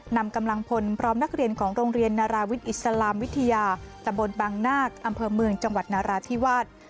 นำกำลังพลพร้อมนักเรียนของโรงเรียนนาราวิทย์อิสลามวิทยาตะบนบางนาคอำเภอเมืองจังหวัดนาราธิวาส